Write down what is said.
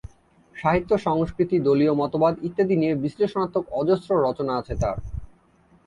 সাহিত্য সংস্কৃতি, দলীয় মতবাদ ইত্যাদি নিয়ে বিশ্লেষণাত্মক অজস্র রচনা আছে তার।